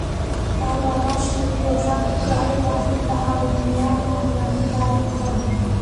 তার বাবা শিব প্রসাদপুর গ্রামের বাসিন্দা হাবিব মিয়া মামলাটি দায়ের করেন।